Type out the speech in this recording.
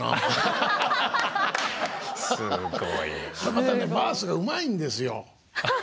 またねバースがうまいんですよ。